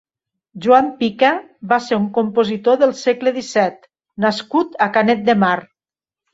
Joan Pica va ser un compositor del segle disset nascut a Canet de Mar.